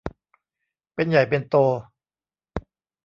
เป็นใหญ่เป็นโต